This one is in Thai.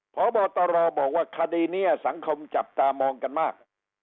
พบตรบอกว่าคดีนี้สังคมจับตามองกันมาก